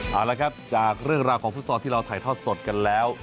เอาละครับจากเรื่องราวของฟุตซอลที่เราถ่ายทอดสดกันแล้ว